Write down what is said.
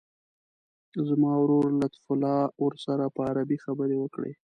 زما ورور لطیف الله ورسره په عربي خبرې وکړي.